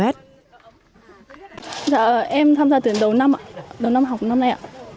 em tham gia tuyển đầu năm học năm nay